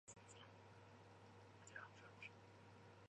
李家因此债台高筑。